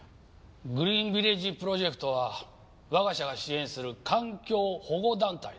グリーンビレッジプロジェクトは我が社が支援する環境保護団体です。